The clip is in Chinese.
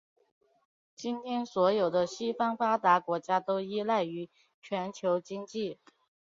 今天所有的西方发达国家都依赖于全球经济。